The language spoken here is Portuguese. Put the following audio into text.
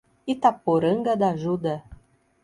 Itaporanga d'Ajuda